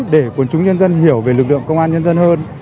để quân chúng nhân dân hiểu về lực lượng công an nhân dân hơn